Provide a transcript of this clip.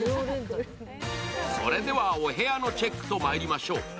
それでは、お部屋のチェックとまいりましょう。